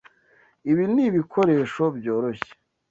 Ibi ni ibikoresho byoroshye.